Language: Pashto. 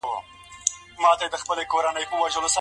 د کورني ژوند اصول په کومو منابعو ولاړ دي؟